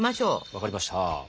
わかりました。